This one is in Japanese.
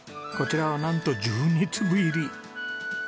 こちらはなんと１２粒入り！